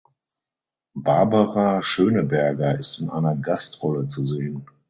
Barbara Schöneberger ist in einer Gastrolle zu sehen.